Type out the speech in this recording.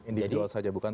individual saja bukan